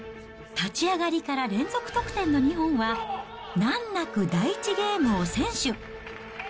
立ち上がりから連続得点の日本は、難なく第１ゲームを先取。